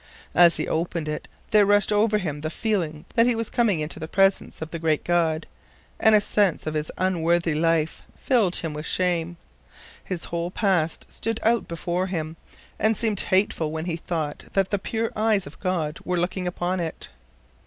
As he opened it there rushed over him the feeling that he was coming into the presence of the great God, and a sense of his unworthy life filled him with shame. His whole past stood out before him and seemed hateful when he thought that the pure eyes of God were looking upon it.